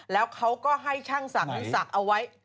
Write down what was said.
แล้วเขาก็ให้ช่างสักที่สักเอาไว้